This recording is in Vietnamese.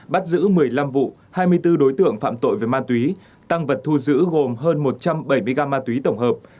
bắt giữ một mươi năm vụ hai mươi bốn đối tượng phạm tội về ma túy tăng vật thu giữ gồm hơn một trăm bảy mươi g ma túy tổng hợp